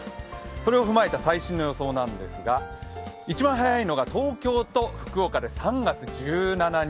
それを踏まえた最新の予想なんですが一番早いのが東京と福岡で３月１７日